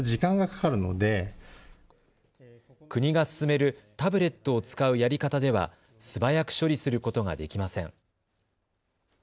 国が勧めるタブレットを使うやり方では素早く処理することができません。